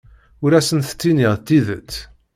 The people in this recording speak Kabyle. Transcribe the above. Ur asent-ttiniɣ tidet.